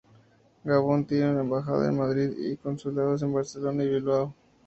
Gabón tiene una embajada en Madrid y consulados en Barcelona y Bilbao.